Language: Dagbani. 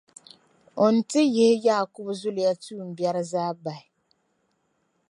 o ni ti yihi Yaakubu zuliya tuumbiɛri zaa bahi.